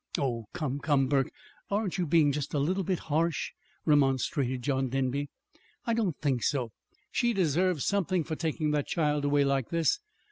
"Oh, come, come, Burke, aren't you just a little bit harsh?" remonstrated John Denby. "I don't think so. She deserves something for taking that child away like this.